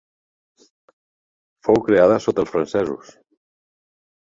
Fou creada sota els francesos.